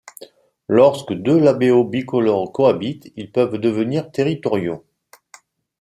Lorsque deux labéos bicolores cohabitent, ils peuvent devenir territoriaux.